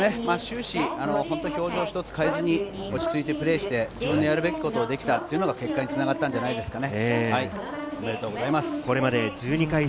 終始、表情ひとつ変えずに、落ち着いてプレーして、自分のやるべきことをできたというのが結果につながったんじゃないですかね。